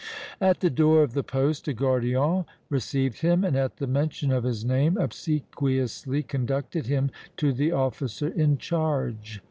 At the door of the poste a gardien received him and, at the mention of his name, obsequiously conducted him to the officer in charge.